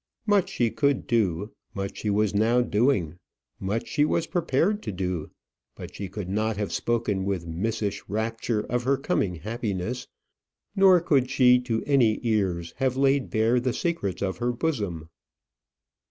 Much she could do; much she was now doing; much she was prepared to do. But she could not have spoken with missish rapture of her coming happiness; nor could she, to any ears, have laid bare the secrets of her bosom.